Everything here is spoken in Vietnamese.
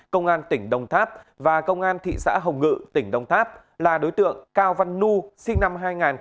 công an tỉnh đồng tháp và công an thị xã hồng ngự tỉnh đông tháp là đối tượng cao văn nu sinh năm hai nghìn